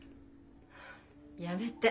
やめて。